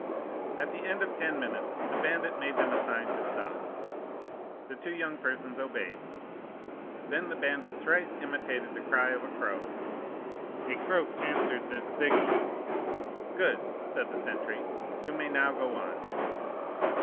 At the end of ten minutes the bandit made them a sign to stop. The two young persons obeyed. Then the bandit thrice imitated the cry of a crow; a croak answered this signal. "'Good!' said the sentry, 'you may now go on.